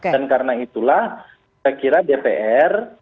karena itulah saya kira dpr